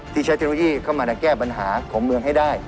ใช้เทคโนโลยีเข้ามาแก้ปัญหาของเมืองให้ได้